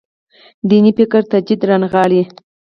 دیني فکر تجدید رانغاړي.